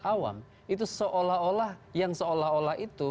awam itu seolah olah yang seolah olah itu